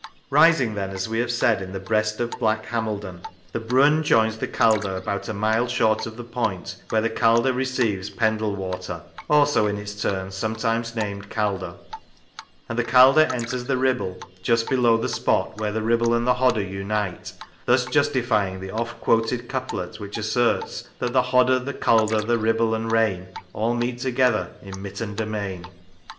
Rising, then, as we have said, in the breast of Black Hameldon, the Brun joins the Calder about a mile short of the point where the Calder receives Pendle water (also in its turn sometimes named Calder), and the Calder enters the Kibble just below the spot where the Kibble and the Hodder unite, thus justifying the oft quoted couplet which asserts that the Hodder, the Calder, the Kibble, and rain, all meet together in Mitton domain.